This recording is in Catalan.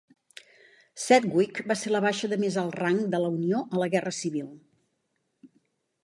Sedgwick va ser la baixa de més alt rang de la Unió a la Guerra Civil.